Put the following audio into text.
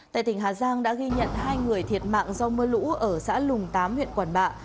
tại tỉnh hà giang đã ghi nhận hai người thiệt mạng do mưa lũ ở xã lùng tám huyện quản bạ